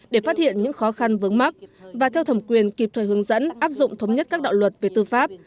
để phát hiện những khó khăn vướng mắt và theo thẩm quyền kịp thời hướng dẫn áp dụng thống nhất các đạo luật về tư pháp